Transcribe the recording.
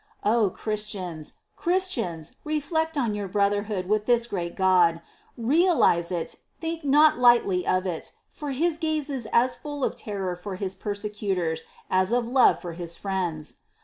O Christians, Christians, reflect on your brotherhood with this great God ! Realise it ; think not lightly of it ; for His gaze is as full of terror for His persecutors as of love for His friends.